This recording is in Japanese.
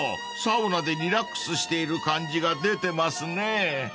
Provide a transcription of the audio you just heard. サウナでリラックスしている感じが出てますね］